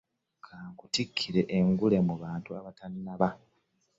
Kankutikkire engule mu bantu abatanaaba.